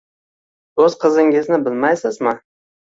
O`z qizingizni bilmaysizmi